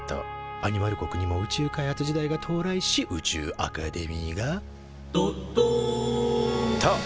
アニマル国にも宇宙開発時代が到来し宇宙アカデミーが「どっどん！」と誕生。